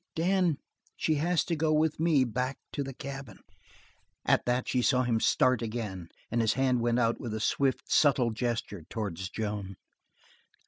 Dan, she has to go with me back to the cabin!" At that she saw him start again, and his hand went out with a swift, subtle gesture towards Joan.